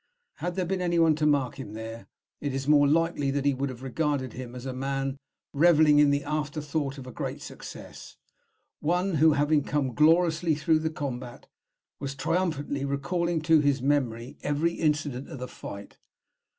Had there been any one to mark him there, it is more than likely that he would have regarded him as a man revelling in the after thought of a great success, one who, having come gloriously through the combat, was triumphantly recalling to his memory every incident of the fight.